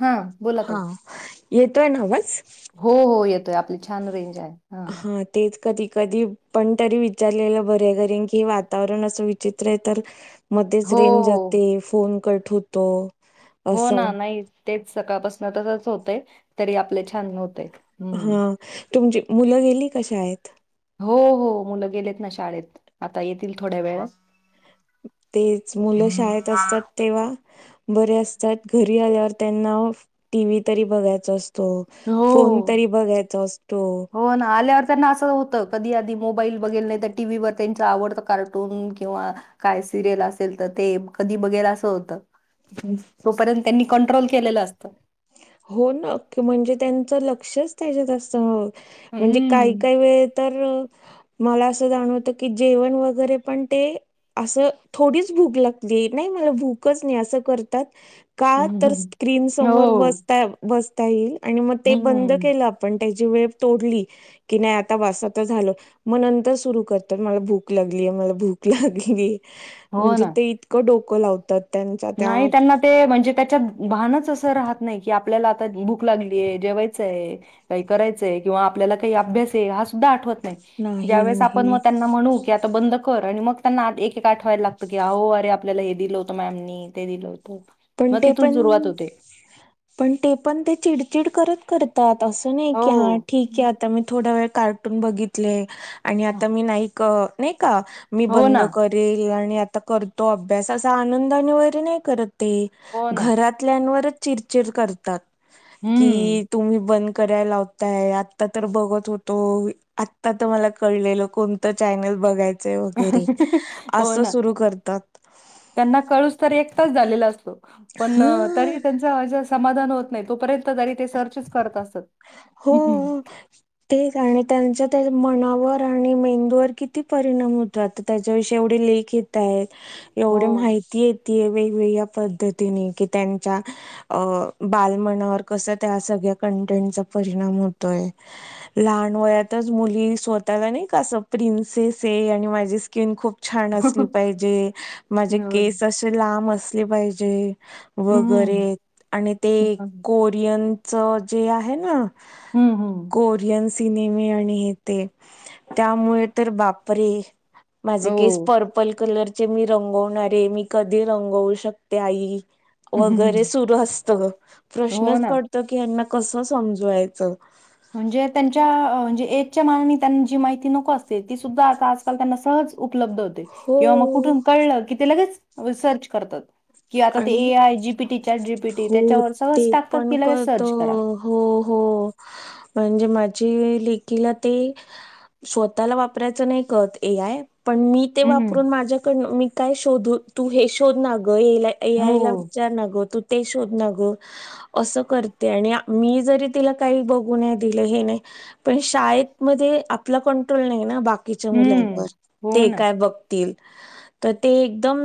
हा बोला हा ताई. येतोय ना आवाज. हो हो येतोय आपली छान रेंज आहे. हा कधी कधी पण तरी विचारलेलं बर. घरीन कि हे वातावरण असं विचित्र आहे तर..... मध्येच हो रेंज हो जाते फोन कट होतो. हो असं ना नाही तेच सकाळपासून तच होतय तरी आपले छान होतयत. हा तुमची मुलं गेली का शाळेत. हो हो मुलं गेलेत ना शाळेत आता येतील ना थोड्या वेळ. तेच मुलं शाळेत असतात तेव्हा, बरे असतात घरी आल्यावर त्यांना टी व्ही तरी बघायच असतो. तो हो फोन तरी बघायचा असतो. हो ना आल्यावर त्यांना असं होतं. कधी आधी मोबाईल बघेल नाही तर टी व्हीवर त्यांच आवडतं कार्टून किंवा काय सिरियल असेल तर ते कधी बघर अस होत तोपर्यंत त्यांनी कंट्रोल केलेलं असत. होना की म्हणजे त्यांच लक्षच त्याच्यात असत हो. म्हणजे काही हम्म काही वेळ तर, मला असं जाणवत की जेवण वगैरे पण ते असं थोडीच भूक लागली नाही मला भूकच नाही असं करतात. का तर स्क्रीन हो समोर बसता बसता येईल आणि मग ते बंद हम्म केलं आपण त्या वेळ तोडली क नाही आता झा मग नर सुर कर म भूक लाली. म भूक लागली हो म्हणजे ना ते इतकं डोकं लावतात. त्यांचा त्या नाही त्यांना ते म्हणजे त्याच्यात भानच असं राहत नाही की आपल्याला आता बुक लागलीय जेवायचंय काही करायचंय किंवा आपल्याला काही अभ्यास आहे हा सुद्धा आठवत. नाय नाही जावेळेस आपण म नाही त्यांना म्हणु कि आता बंद कर आणि मग त्यांना एक आठवायला लागतं की आ हो अरे आपल्याला हे दिलं होतं मॅमनी ते दिलं होतं. पण मग ते तिथून पण सुरुवात होते. पण ते पण ते चिडचिड करत करत. असं नाही की हा हो. ठीक आहे आता मी थोडा वेळ कार्टून बघितले. आणि आता मी नाहीईक नाही का मी हो बंद ना, करेल आणि आ. तो करतो अभ्यास अस आनंदाने वगैरे नाही करत आहे हो ना, घरातल्यानवरच चिरचिड करतात हम्म. कि तुम्ही ब करायलावताय आत्ता तर बघत होतो आत्ता तर मला कळलेलं कोणतं चॅनल बघायच. ते वगरे हो अस ना, सुरू करतात. त्यांना कळूस तर एक तच झालेला असतो. पण ह तरी त्यांच असं समाधान होत नाही तोपर्यंत तरी ते सर्च च करत असत. हो तेच आणि त्यांच्यात त्या मनावर आणि मेंदूवर किती परिणाम होतो आता त्याच्याविषयी एवढे लेख येत आहेत. एवढी हो. माहिती येतीय वे. ह्या पद्धतीने कि त्यांच्या अ बाल मनावर कस त्या सगळ्या त्याचा परिणाम होतोय लहान वयातच मुली स्वतःला नाही का असं प्रिन्स. से से आणि माझी स्किन खूप. छान असली पाहिजे माझे मिळून. केस असे लांब असले पाहिजे. वगैरे हम्म. आणि ते हम्म, कोरियन च जे आहे ना. हम्म. कोरीयन्स सिनेमे आणि हे ते त्यामुळे तर बापरे. माझे केस हो. पर्पल कलरचे मी रंगवणारे मी कधी रंगवू शकते आई. वगैरे हम्म. सुरू असत ग हो प्रश्नच ना. पडतो की ह्यांना कस समजवायचं. म्हणजे त्यांच्या म्हणजे एजच्या मानाने त्यांना जी माहिती नको असते ती सुद्धा आज काल त्यांना सहज उपलब्ध होते किंवा मग हो कुठून कळलं कि ते लगेच सर्च करतात. कि आता ते आणि A I G P T chat G P T हो त्याच्यावर सहज ते टाकतात पण कि लगेच कळत सर्च करा. हो हो अ म्हणजे माझी लेखीला ते स्वतःला वापरायचं नाही कळत ए आय. पण मी ते हम्म. वापरून माझ्याकडन मी काय शोधू तू हे शोध ना ग ए ए हो. आय ला विचार ना ग तू ते शोध ना ग असं करते आणि मी जरी तिला काही बघू नाहीं दिल हे नाही. पण शाळेत मध्ये आपला कंट्रोल नाही ना. बा बाकीच्या हम्म. मुलांवर, हो ते ना. काय बघतील? तर ते एकदम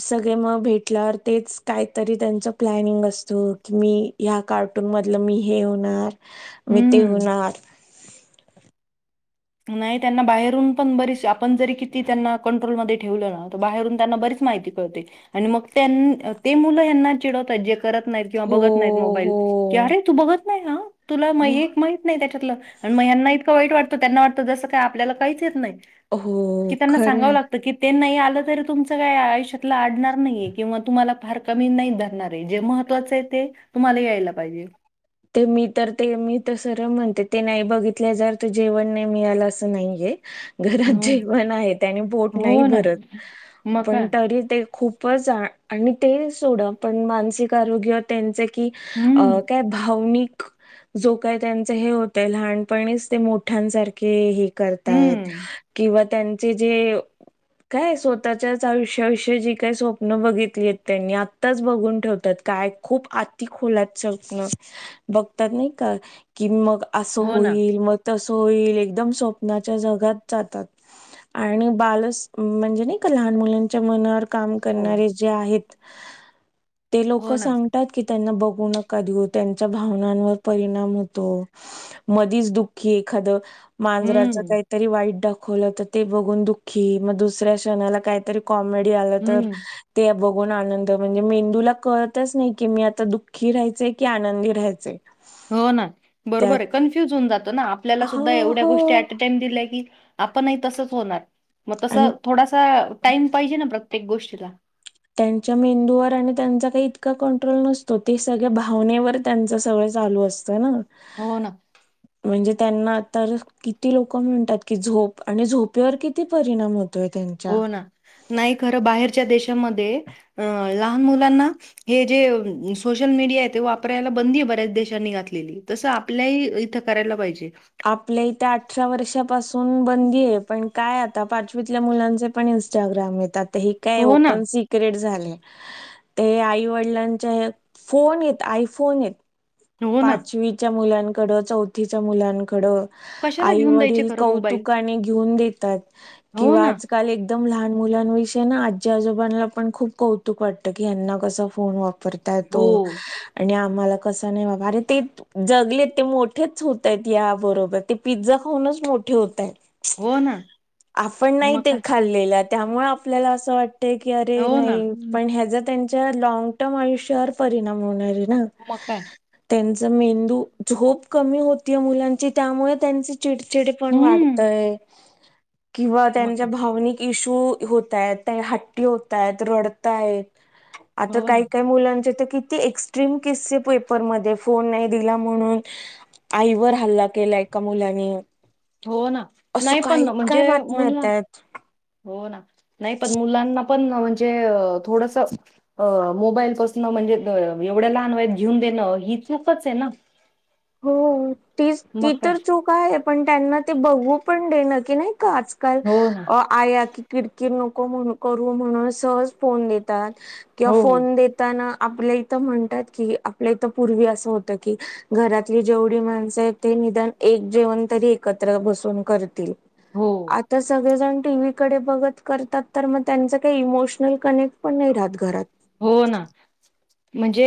सगळे म भेट म्हल्या तेच काहीतरी त्यांच प्लॅनिंग असतो. की मी ह्या कार्टून मधलं मी हे होणार मी ते हम्म. होणार नाही. त्यांना बाहेरून पण बरीच आपण जरी किती त्यांना कंट्रोलमध्ये ठेवलं ना बाहेरून त्यांना बरीच माहिती कळते. आणि मग त्यां ते मुलं ह्यांना चिडवतायत जे करत नाहीत, किंवा हो बघत नाहीत मोबाईल. हो कि अरे तू बघत नाही हा तुला म हो एक माहित नाही त्याच्यातलं. आणि म ह्यांना इतकं वाईट वाटतं त्यांना वाटतं जसं काय आपल्याला काहीच येत नाही. कि हो त्यांना सांगावं खरंय लागत, की ते नाही आ चुकलं तरी तुमच काय आयुष्यातल अडणार नाहीए, किंवा तुम्हाला फार कमी नाही धरणार आहे. जे महत्वाच आहे ते तुम्हाला यायला पाहिजे. ते मी तर ते मी तर सरळ म्हणते, ते नाही बघितले जर तर जेवण नाही मिळालं असं नाहीये. घरात हो जेवण आहे. त्यानी पोट नाही हो ना भरत मग काय पण तरी ते खूप आणि ते सोडा पण मानसिक आरोग्य त्यांच कि अ हम्म काय मि क जो काय त्यांच हे होतय, लहानपणीच ते मोठ्यांसारखे हे करतायत. हम्म किंवा त्यांचे जे काय स्वतःच्याच आयुष्याविषयी जी काही स्वप्न बघितली आहेत, त्यांनी आत्ताच बघून ठेवतात. काय खूप आती खोलात सपनं बघतात नाही का, की मग असं हो ना होईल, मग तस होईल. एकदम स्वप्नाच्या जगात जातात. आणि बालस म्हणजे नाही का लहान मुलांच्या मनावर काम हो करणारे जे आहेत ते लोक हो ना. सांगतात की त्यांना बघू नका धी होत त्यांच्या भावनांवर परिणाम होतो. मधीच दुःखी एखाद मांजराच हम्म, काहीतरी वाईट दाखवलं तर ते बघून दुःखी, मग दुसऱ्या क्षणाला काहीतरी कॉमेडी आलं तर हम्म ते न आनंद म्हणजे मेंदूला कळतच नाही की मी आता दुःखी राहायचे की आनंदी राहायचे. हो ना. बरोबर आहे. कन्फ्युज होऊन जातं ना आपल्याला सुद्धा हो एवढ्या हो गोष्टी ऍट अ टाइम दिल्याय की आपण नाही तसंच होणार. मग तस आणि थोडासा टाईम पाहिजे ना प्रत्येक गोष्टीला. त्यांच्या मेंदूवर आणि त्यांचा काही इतका कंट्रोल नसतो. ते सगळ्या भावनेवर त्यांच सगळं चालू असत ना. हो. ना. म्हणजे त्यांना तर किती लोक म्हणतात, की झोप आणि झोपेवर किती परिणाम होत हो ना. नाही खरं बाहेरच्या देशा मधे लहान मुलांना, हे जे सोश मडिया वापरायला बंदी बऱ्याच देशांनी घातलेली. तस आपल्याही इथं करायला पाहिजे. आपल्या इथे अठरा वर्षापासून बंदीए, पण काय आता पाचवीतल्या मुलांचे पण इंस्टाग्राम यता. आता हे काय हो ना, ओपन सिक्रेट झालं ते आई वडिलांच्या फोन येत. आयफोन येत. हो ना. पाचवीच्या मुलांकड, चौथीच्या मुलांकडं कशाला आई घेऊन द्यायचे वडील खरं मोबाईल? कौतुकाने घेऊन देतात. हो किंवा ना. आजकाल एकदम लहान मुविषय ना आजच्या आजोबांना पण खूप कौतुक वाटत की ह्यांना कसा फोन वा करताय हो, तो आणि आपण मला कसं नाही बाबा, अरे ते जगलेत ते मोठेच होत आहेत. या बरोबर ते पिझ्झा खाऊनच मोठे होताय. हो ना. आपण नाही मग ते काय? खाल्लेल्या त्यामुळे आपल्याला असं वाटतय की, अरे हो ना. नाही पण ह्याज त्यां च लॉंग टर्म आयुष्य वर परिणाम होणारे न मग काय? मेंदू झोप कमी होती मुलांची, त्यामुळे त्यां चिडचिड पण हम्म वाढतय किंवा मग त्यांच्या काय भावनिक इशू होत आहेत त्या हट्टी होत आहेत रडताय. आता हो ना काही काय मुलांचे ते. किती एक्टम किस्से पेपर मधे फोन नाही दिला म्हनुनू आईवर हल्ला केला एका मुलाने हो ना असं नाही काय पण म्हणजे काय बातम्या मुल. येतायत. हो ना नाही पण मुलां म्हणजे थोड मोबाईल पास्नं म्हणजे येवडा लहां वयात घेऊ. देण ही चूकच हे ना. हो तीच ती मग काय तर चूक आहे पण त्यांना ते बघू पण देणं की नाही. आजकाल हो ना आया की किर कीर नको म्हण करू म्हणून सहज फोन देतात. किंवा हो फोन देताना आपल्या इ तर म्हणतात कि आपल्या तर पूर्वी असं होत की घरातली जेवढी माणसं आहेत ते निदान एक जेवण तरी एकत्र बसून करतील. हो आता सगळेजण. टी व्ही कडे बघत करतात तर मग त्यांच काही इमोशनल कनेक्ट पण नाही राहत घरात. हो ना. म्हणजे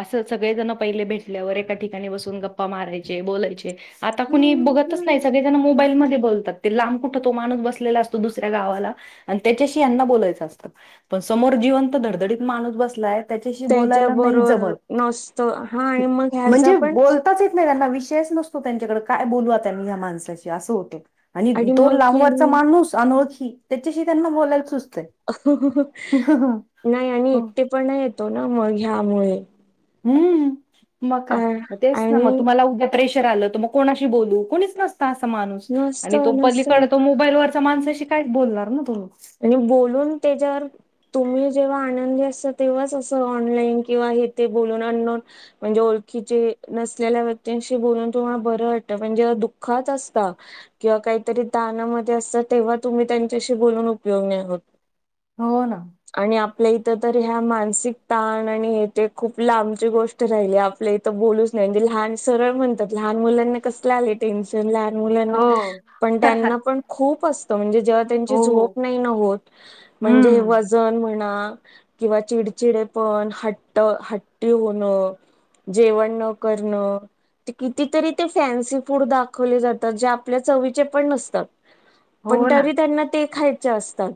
असं सगळेजण पहिले भेटल्यावर एका ठिकाणी बसून गप्पा मारायचे बोलायचे. आता कुणी बघतच नाही सगळेजण मोबाईल म बोलतात लांब कुठ तो माणूस बसलेला असतो दुसऱ्या गावाला आणि त्याच्याशीना बोलायचं असतं. पण समोर जीवन तर धडधडीत माणूस बसलाय. त्याच्याशी त्याच्या बोलाया नाही बरोबर जमत नसतं हा आणि मग ह्याचा म्हनंजे पण बोलताच येत. नाही‌, त्यांना विषयच नसतो त्यांच्याकडे, काय बोलू त्यांनी ह्या माणसाशी असं होतंय. आणि तो मग लांबवरचा यांनी माणूस अनोळखी त्यांच्याशी त्यांना बोलायला सुच्- नाही आणि हो. एकटेपणा येतो ना मग ह्यामुळे. हम्म मग अ काय, तेच ना मग आणि तुम्हाला उद्या प्रेशर आलं त् म् कोणाशी बोलू? कोणीच नसतं अस माणूस नसत आणि तो नसत पलीकडं मोबाईलवर- त्या माणसाशी काहीच बोलणार ना तुम्ही- आणि बोलून त्याच्यावर तुम्ही जेव्हा आनंदी असता तेव्हाच असं ऑनलाईन किंवा हे ते बोलून, अनोन म्हणजे ओळ- खीचे नसलेल्या व्यक्तींशी बोलून तुम्हाला बरं वाटतं म्हणजे दुःखाच असता किंवा काहीतरी दानामधे असत तेव्हा तुम्ही त्यांच्याशी बोलून- उपयोग नाही होत. हो ना. आणि आप्- पल्या इथं तर ह्या मानसिक ताण आणि हे ते खूप लांबची गोष्ट राहिली आपल्या इथं बोलूच न्- [unintelligible] सरळ म्हणतात लहान मुलांना कसलंय आलय टेन्शन लहा्- मुलांना, हो, पण त्यांना पण खूप असतं म्हणजे जेव्हा, त्यांची हो. झोप्- न होत‌‌, म्हणजे हम्म. वजन- म्हणा किंवा चिडचिडेपण, हट्ट हट्टी होणं, जेवण न करणं, ते कितीतरी ते फॅन्सी फूड दाखवले जातात, जे आपल्या चवीचे पण नसतात. पण, हो ना. तरी त्यांना ते खायचे असतात.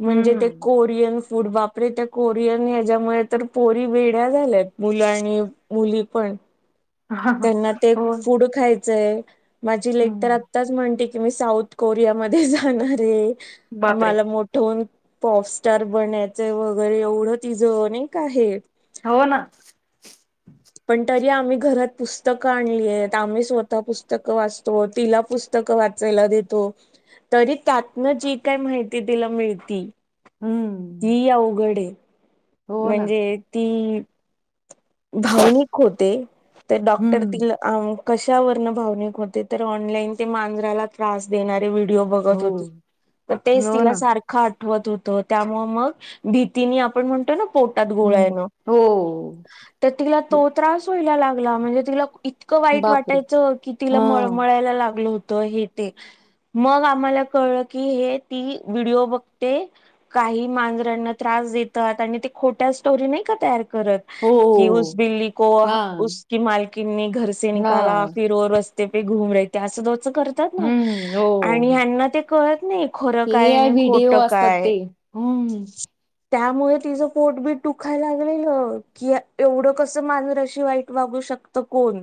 म्हणजे ते हम्म. कोरियन फूड बाप रे, त्या कोरियन ह्याच्यामुळे तर पोरी वेड्या झाल्यात. मुलं आणि मुली पण, त्यांना ते हो. फूड खायचंय. माझी लेक तर हं. आत्ताच म्हणते की, मी साऊथ कोरियामध्ये जाणार आहे. बापरे! मला मोठं होऊन्- पोस्टर बनायचे एवढं नाही का ते हे हो ना. पण तरी आम्ही घरात पुस्तकं आणली आहेत आम्ही तरी त्यातन च जी काय माहिती तिला मिळती हं. ती अवघडे हो ना. म्हणजे ती भावनिक होते तर डॉक्टर हं. तिला अ कशा वर्ण भावनिक होते तर ऑनलाईन ते मांजराला त्रास देणार ते व्हिडिओ हो. बघत होती तेच हो तिला ना. सारख त होत त्यामुळे मग भीतीने आपण म्हणतो ना पोटात गोळा हं. येण हो. तर तिला तो त्रास व्हायला लागला म्हणजे तिला इतकं वाईट बापरे! वाटायचं की तिला मळ मळ हां. मळा लागलं होत हे ते मग आम्हाला कळ की हे ती व्हिडओ बघते काही मांजरांना त्रास देतात आणि ते खोट्य स्टोरी नाही का तयार करत हो. जी उस बिल्ली को हां. उस की मालकीने घरसे निकाला हां. फिर वो रस [unintelligible] करतात ना हं. आणि हो. याना ते कळत नाही खरं काय आणि खोट काय. हम. त्यामुळे तिचं पोट बीट दुखायला लागलेलं कि एवढं कसं मांजरा शी वाईट वागू शकत कोण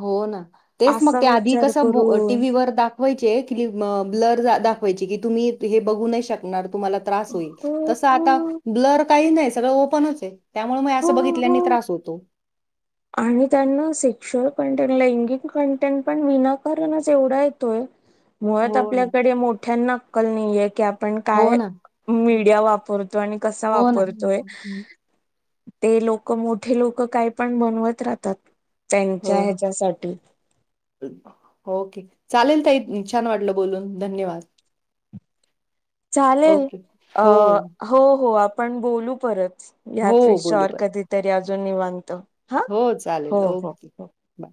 हो ना तेच असा मग आधी विचार कस बघ करून टीवी वर दाखवायचे की ब्लर झाल. दाखवायचे की तुम्ही हे बघू नाही शकणार तुम्हला त्रास होईल हो तस आता हो ब्लर काही नाही सगळं ओपनच आहे त्यामुळे मग असं हो बघितल्यानी हो. त्रास होतो. आणि त्यांना सेक्शुअल कंटेंट लैंगिक कंटेंट पण विनाकारणच एवढा येतोय मुळात हो ना आपल्याकडे मोठ्या अक्कल नाहीये की आपण आपण हो काय ना मीडिया वापरतो आणि कसा हो ना. हम्म, वापरतोय हम्म. ते लोक मोठे लोक काय पण बनवत राहतात हो त्यांच्या ना. ह्याच्यासाठी ओके चालेल त इ छान वाटलं बोलून धन्यवाद. चालेल ओके अ हो हो हो आपण बोलू परत हो या्याच बोलू विषयावर परत कधीतरी अजून नि म्हनतो. हो चालेल ओके बाय.